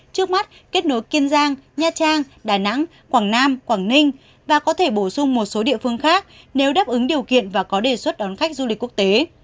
trước mắt kết nối kiên giang nha trang đà nẵng quảng nam quảng ninh và có thể bổ sung một số địa phương khác nếu đáp ứng điều kiện và có đề xuất đón khách du lịch quốc tế